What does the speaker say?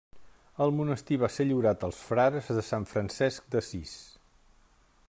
El monestir va ser lliurat als frares de sant Francesc d'Assís.